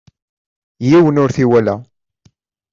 Yiwen ur t-iwala.